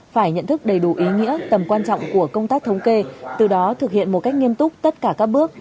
phải nhận thức đầy đủ ý nghĩa tầm quan trọng của công tác thống kê từ đó thực hiện một cách nghiêm túc tất cả các bước